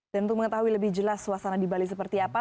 dan untuk mengetahui lebih jelas suasana di bali seperti apa